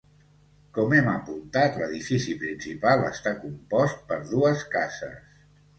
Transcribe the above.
Com hem apuntat, l'edifici principal està compost per dues cases.